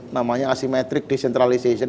namanya asimetrik decentralization